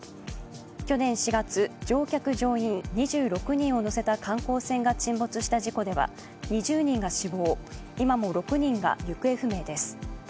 去年４月、乗客・乗員２４人を乗せた観光船が沈没した事故では２０人が死亡、今も６人が行方不明です。